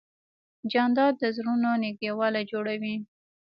جانداد د زړونو نږدېوالی جوړوي.